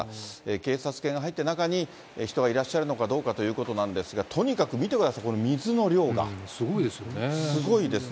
警察犬が入って、中に人がいらっしゃるのかどうかということなんですが、とにかくすごいですよね。